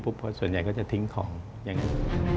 เพราะส่วนใหญ่ก็จะทิ้งของอย่างนี้